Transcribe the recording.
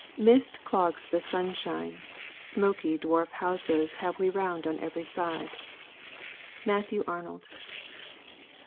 "Mist clogs the sunshine, Smoky dwarf houses Have we round on every side." MATTHEW ARNOLD.